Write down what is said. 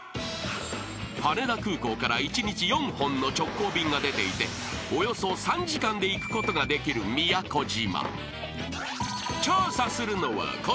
［羽田空港から１日４本の直行便が出ていておよそ３時間で行くことができる宮古島］